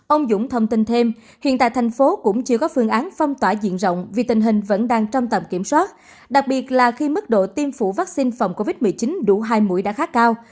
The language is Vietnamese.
ông dũng thông tin thêm hiện tại thành phố cũng chưa có phương án phong tỏa diện rộng vì tình hình vẫn đang trong tầm kiểm soát đặc biệt là khi mức độ tiêm phủ vaccine phòng covid một mươi chín đủ hai mũi đã khá cao